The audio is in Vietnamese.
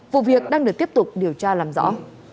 vụ việc đang được tiếp tục điều tra làm rõ